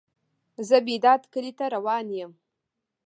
زه بیداد کلی ته روان یم.